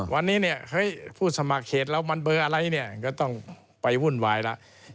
วันนี้ผู้สมัครเขตเรามันเบอร์อะไรก็ต้องไปวุ่นวายแล้ว